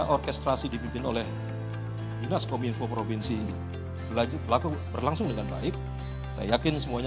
orkestrasi dipimpin oleh dinas kominfo provinsi belajar pelaku berlangsung dengan baik saya yakin semuanya